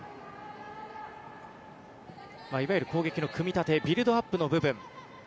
いわゆる攻撃の組み立てビルドアップの部分。